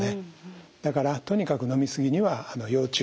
だからとにかく飲み過ぎには要注意してください。